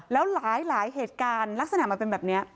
แล้วหลายเหตุการณ์ลักษณะมันเป็นแบบนี้